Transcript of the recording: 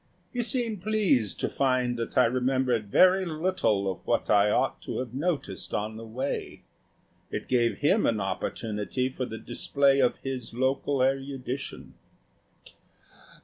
He seemed pleased to find that I remembered very little of what I ought to have noticed on the way. It gave him an opportunity for the display of his local erudition.